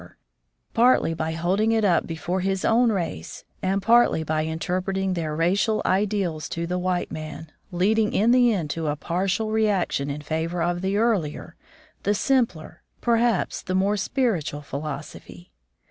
Foreword partly by holding it up before his own race, and partly by interpreting their racial ideals to the white man, leading in the end to a partial reaction in favor of the earlier, the simpler, perhaps the more spiritual philos ophy.